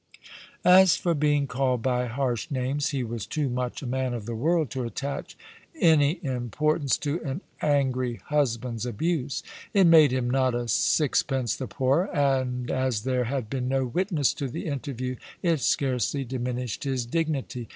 As for being called by harsh names, he was too much a man of the world to attach any importance to an angry husband's abuse. It made him not a sixpence the poorer; and as there had been no witness to the interview it scarcely diminished his dignity.